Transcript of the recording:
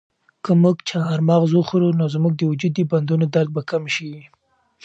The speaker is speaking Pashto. که موږ چهارمغز وخورو نو زموږ د وجود د بندونو درد به کم شي.